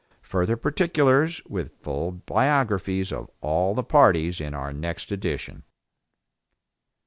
Further particulars with full biographies of all the parties in our next edition.